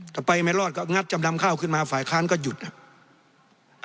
ถ้าไปไม่รอดก็งัดจำนำข้าวขึ้นมาฝ่ายค้านก็หยุดอ่ะ